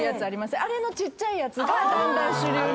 あれのちっちゃいやつがだんだん主流に。